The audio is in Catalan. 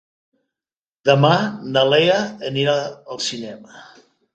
Demà na Lea anirà al cinema.